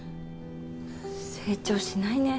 成長しないね。